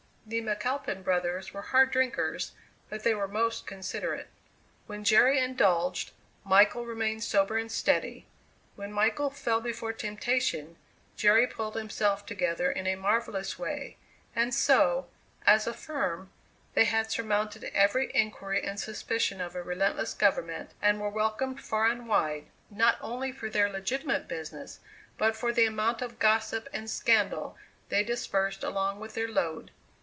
The McAlpin brothers were hard drinkers, but they were most considerate. When Jerry indulged, Michael remained sober and steady; when Michael fell before temptation, Jerry pulled himself together in a marvellous way, and so, as a firm, they had surmounted every inquiry and suspicion of a relentless government and were welcomed far and wide, not only for their legitimate business, but for the amount of gossip and scandal they disbursed along with their load.